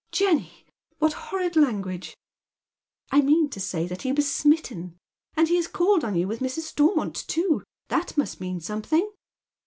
" Jenny, what horrid language !"" I mean to say that he was smitten. And he has called on you with Mrs. Stormont, too. That must mean something."